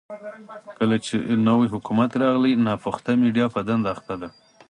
کله چې نوی حکومت راغلی، ناپخته میډيا په دنده اخته ده.